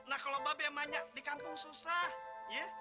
nah kalau mbak be yang banyak di kampung susah ya